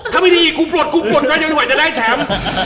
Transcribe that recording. ถ้าไม่ดีอีกกูปลดกูปลดก่อนจะได้แชมพ์